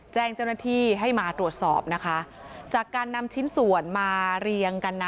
แจ้งเจ้าหน้าที่ให้มาตรวจสอบนะคะจากการนำชิ้นส่วนมาเรียงกันนะ